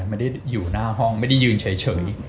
ไม่ได้อยู่หน้าห้องไม่ได้ยืนเฉย